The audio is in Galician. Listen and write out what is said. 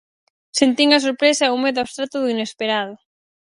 Sentín a sorpresa e o medo abstracto do inesperado.